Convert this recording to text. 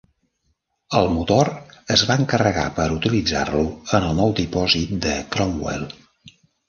El motor es va encarregar per utilitzar-lo en el nou dipòsit de Cromwell.